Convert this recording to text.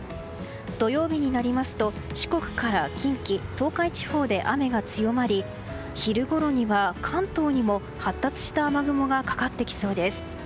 土曜日になりますと四国から近畿、東海地方で雨が強まり昼ごろには関東にも発達した雨雲がかかってきそうです。